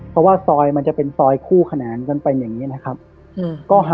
เพราะว่าซอยมันจะเป็นซอยคู่ขนานกันไปอย่างนี้นะครับ